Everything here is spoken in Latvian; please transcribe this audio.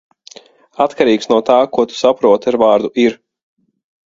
Atkarīgs no tā, ko tu saproti ar vārdu "ir".